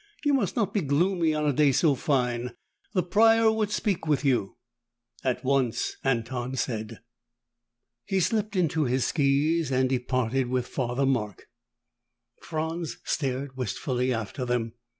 "You must not be gloomy on a day so fine. The Prior would speak with you." "At once," Anton said. He slipped into his skis and departed with Father Mark. Franz stared wistfully after them.